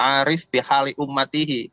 wal'arif bihali ummatihi